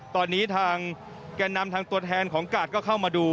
ตอนนี้ทางแก่นำทางตัวแทนของกาดก็เข้ามาดู